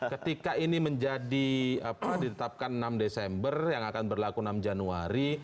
ketika ini menjadi ditetapkan enam desember yang akan berlaku enam januari